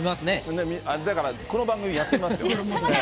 だからこの番組休みますよ。